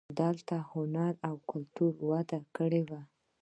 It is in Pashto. دلته هنر او کلتور وده کړې وه